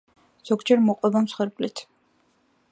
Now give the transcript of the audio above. ზოგჯერ მოყვება მსხვერპლიც.